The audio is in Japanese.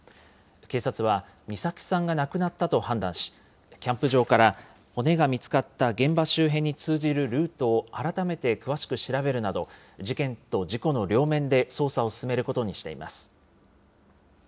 警察は、美咲さんが亡くなったと判断し、キャンプ場から骨が見つかった現場周辺に通じるルートを改めて詳しく調べるなど、事件と事故の両面で捜査を進めることにしています。